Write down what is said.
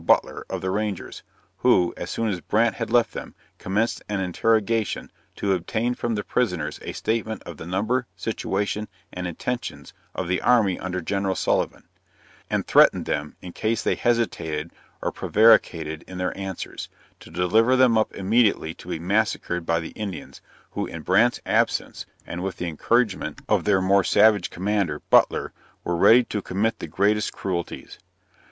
Butler, of the Rangers; who, as soon as Brandt had left them, commenced an interrogation, to obtain from the prisoners a statement of the number, situation and intentions of the army under Gen. Sullivan; and threatened them, in case they hesitated or prevaricated in their answers, to deliver them up immediately to be massacred by the Indians, who, in Brandt's absence, and with the encouragement of their more savage commander, Butler, were ready to commit the greatest cruelties.